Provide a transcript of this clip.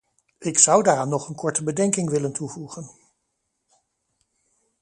Ik zou daaraan nog een korte bedenking willen toevoegen.